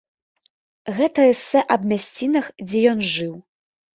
Гэта эсэ аб мясцінах, дзе ён жыў.